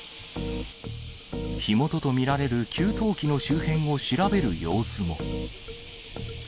火元と見られる給湯器の周辺を調べる様子も。